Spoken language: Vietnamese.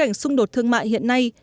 trong xung đột thương mại hiện nay